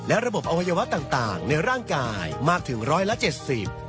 และระบบอวัยวะต่างต่างในร่างกายมากถึงร้อยละเจ็ดสิบ